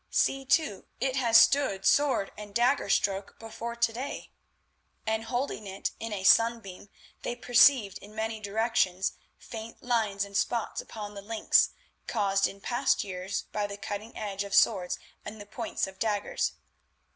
See, too, it has stood sword and dagger stroke before to day," and holding it in a sunbeam they perceived in many directions faint lines and spots upon the links caused in past years by the cutting edge of swords and the points of daggers.